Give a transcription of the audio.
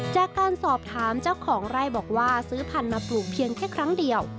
จากการสอบถามเจ้าของไร่บอกว่าซื้อพันธุ์มาปลูกเพียงแค่ครั้งเดียว